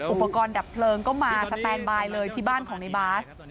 อุปกรณ์ดับเพลิงก็มาเลยที่บ้านของในบาร์ด